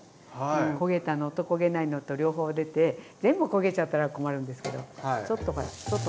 焦げたのと焦げないのと両方出て全部焦げちゃったら困るんですけどちょっとほらちょっと